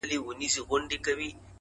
چي لمن د شپې خورېږي ورځ تېرېږي”